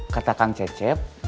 kata kang cecep